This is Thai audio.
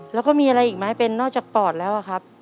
แล้วก็มีอะไรอีกไหมเป็นนอกจากปอดแล้วอะครับ